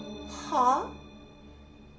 はあ？